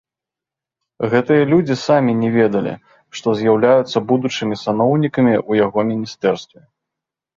Гэтыя людзі самі не ведалі, што з'яўляюцца будучымі саноўнікамі ў яго міністэрстве.